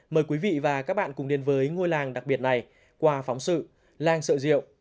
mời quý vị và các bạn cùng đến với ngôi làng đặc biệt này qua phóng sự lang sợ diệu